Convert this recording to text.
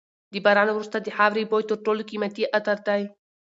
د باران وروسته د خاورې بوی تر ټولو قیمتي عطر دی.